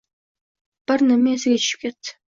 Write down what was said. Bir nima esiga tushib ketdi.